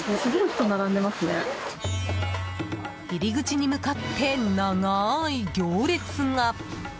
入り口に向かって長い行列が。